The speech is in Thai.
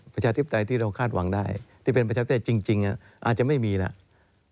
ประชาธิปไตยที่เราคาดหวังได้ที่เป็นประชาธิจริงอาจจะไม่มีแล้ว